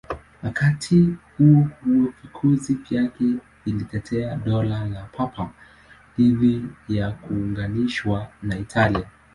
Wakati huo huo, vikosi vyake vilitetea Dola la Papa dhidi ya kuunganishwa na Italia.